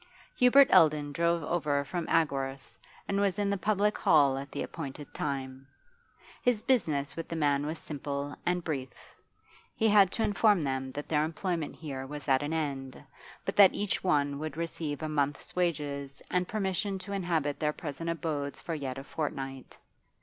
Hubert Eldon drove over from Agworth, and was in the Public Hall at the appointed time. His business with the men was simple and brief. He had to inform them that their employment here was at an end, but that each one would receive a month's wages and permission to inhabit their present abodes for yet a fortnight.